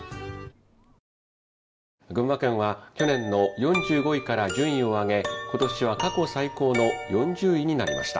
「群馬県は去年の４５位から順位を上げ今年は過去最高の４０位になりました」。